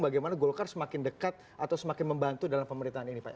bagaimana golkar semakin dekat atau semakin membantu dalam pemerintahan ini pak